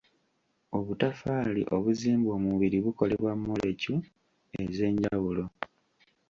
Obutaffaali obuzimba omubiri bukolebwa molekyu ez'enjawulo